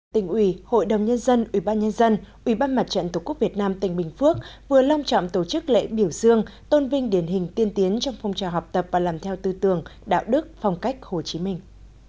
tỉnh ủy hội đồng nhân dân ủy ban nhân dân ủy ban mặt trận tổ quốc việt nam tỉnh bình phước vừa long trọng tổ chức lễ biểu dương tôn vinh điển hình tiên tiến trong phong trào học tập và làm theo tư tưởng đạo đức phong cách hồ chí minh